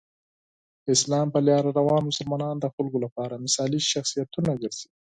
د اسلام په لاره روان مسلمانان د خلکو لپاره مثالي شخصیتونه ګرځي.